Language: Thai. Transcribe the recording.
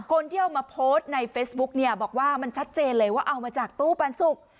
คนที่เอามาโพสต์ในเฟซบุ๊กเนี่ยบอกว่ามันชัดเจนเลยว่าเอามาจากตู้ปันสุก